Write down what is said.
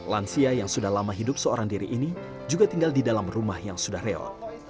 lansia yang sudah lama hidup seorang diri ini juga tinggal di dalam rumah yang sudah reot